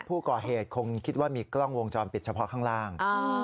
ผู้ก่อเหตุคงคิดว่ามีกล้องวงจรปิดเฉพาะข้างล่าง